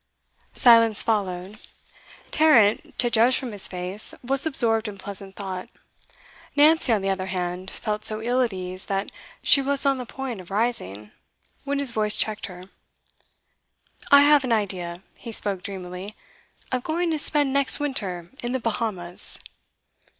Silence followed. Tarrant, to judge from his face, was absorbed in pleasant thought; Nancy, on the other hand, felt so ill at ease that she was on the point of rising, when his voice checked her. 'I have an idea' he spoke dreamily 'of going to spend next winter in the Bahamas.